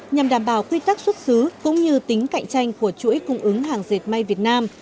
nhằm đảm bảo quy tắc xuất xứ cũng như tính cạnh tranh của chuỗi cung ứng hàng dệt may việt nam